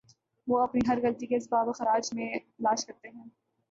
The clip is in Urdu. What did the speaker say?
وہ اپنی ہر غلطی کے اسباب خارج میں تلاش کرتے ہیں۔